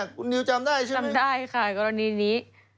คุณนิวจำได้ใช่ไหมจำได้ค่ะกรณีนี้